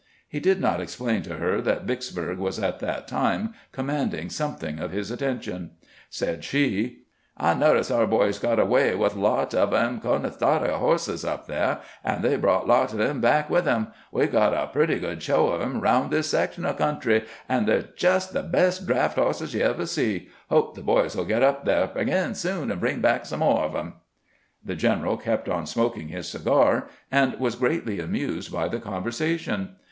He did not explain to her that Vicksburg was at that time commanding something of his attention. Said she :" I notice our boys got away with lots of 'em Cones toga bosses up thah, and they brought lots of 'em back with 'em. We 've got a pretty good show of 'em round this section of country, and they 're jes the best draft hosses you ever see. Hope the boys '11 get up thah ag'in soon, and bring back some more of 'em." The general kept on smoking his cigar, and was greatly amused by the conversation.